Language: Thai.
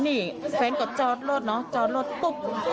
พี่แฟนอย่างกับจอดรถนะบุ๊บ